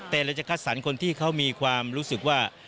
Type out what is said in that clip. แต่เราจะคัดสรรคนที่เขามีความรู้สึกว่า